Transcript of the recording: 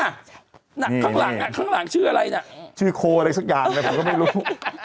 ข้างหลังอ่ะข้างหลังชื่ออะไรน่ะชื่อโคอะไรสักอย่างเลยผมก็ไม่รู้